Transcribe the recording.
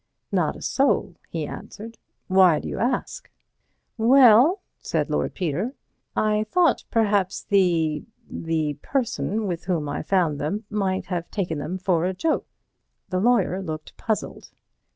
"Not a soul," he answered. "Why do you ask?" "Well," said Lord Peter, "I thought perhaps the—the person with whom I found them might have taken them for a joke." The lawyer looked puzzled.